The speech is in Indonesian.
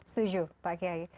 setuju pak kiayi